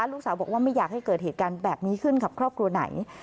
ลูกสาวบอกว่าไม่อยากให้เกิดเหตุการณ์แบบนี้ขึ้นกับครอบครัวไหน